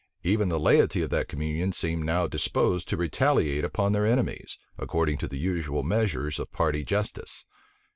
Even the laity of that communion seemed now disposed to retaliate upon their enemies, according to the usual measures of party justice.